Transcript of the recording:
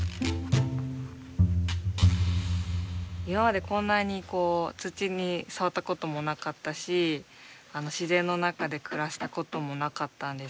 今までこんなにこう土に触ったこともなかったし自然の中で暮らしたこともなかったんですけど。